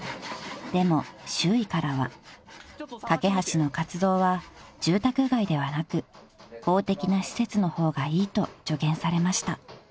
［でも周囲からはかけはしの活動は住宅街ではなく公的な施設の方がいいと助言されました］